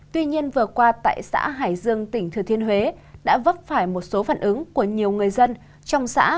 tuy nhiên vừa qua tại xã hải dương tỉnh thừa thiên huế đã vấp phải một số phản ứng của nhiều người dân trong xã